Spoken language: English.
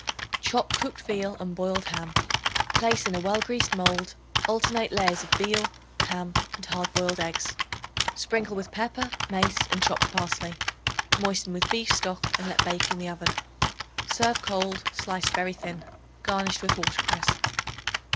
Chop cooked veal and boiled ham; place in a well greased mold alternate layers of veal, ham and hard boiled eggs. Sprinkle with pepper, mace and chopped parsley. Moisten with beef stock and let bake in the oven. Serve cold, sliced very thin, garnished with watercress.